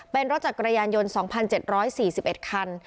เป็นรถจักรยานยนต์๒๗๔๑คัน